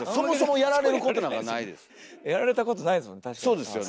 やられたことないですもんね